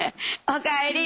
おかえり。